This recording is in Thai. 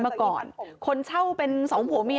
เจ้าของห้องเช่าโพสต์คลิปนี้